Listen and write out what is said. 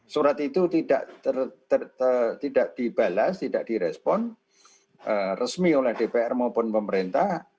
surat itu tidak dibalas tidak direspon resmi oleh dpr maupun pemerintah